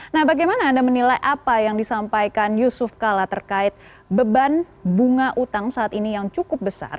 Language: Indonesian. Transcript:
nah bagaimana anda menilai apa yang disampaikan yusuf kala terkait beban bunga utang saat ini yang cukup besar